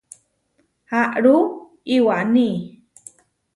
Aarú iwaní.